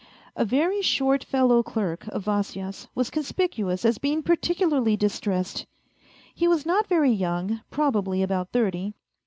A very short fellow clerk of Vasya's was conspicuous as being particularly distressed. He was not very young, probably about thirty.